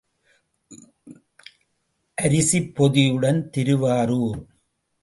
அரிசிப் பொதியுடன் திருவாரூர்.